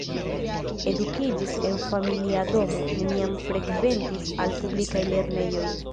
Edukiĝis en familia domo, neniam frekventis al publikaj lernejoj.